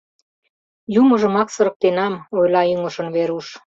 Юмыжымак сырыктенам... — ойла ӱҥышын Веруш.